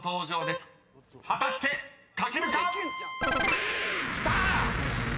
果たして書けるか⁉］きた！